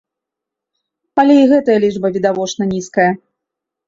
Але і гэтая лічба відавочна нізкая.